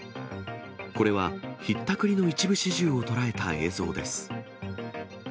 これはひったくりの一部始終を捉えた映像です。